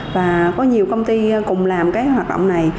và có nhiều công ty cùng làm cái hoạt động này